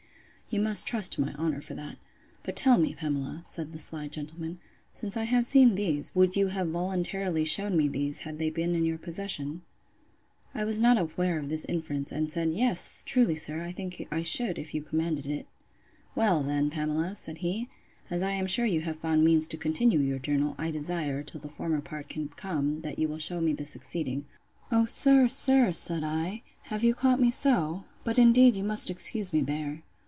You must trust to my honour for that. But tell me, Pamela, said the sly gentleman, since I have seen these, would you have voluntarily shewn me those, had they been in your possession? I was not aware of this inference, and said, Yes, truly, sir, I think I should, if you commanded it. Well then, Pamela, said he, as I am sure you have found means to continue your journal, I desire, till the former part can come, that you will shew me the succeeding.—O sir, sir, said I, have you caught me so?—But indeed you must excuse me there.